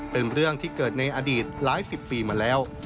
เป็นเรื่องที่เกิดในอดีตหลายสิบปีมาแล้ว